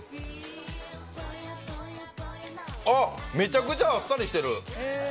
めちゃくちゃあっさりしてる。